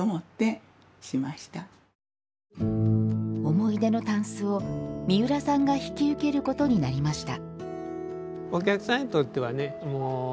思い出のたんすを三浦さんが引き受けることになりました